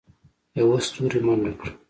یوه ستوري منډه کړه.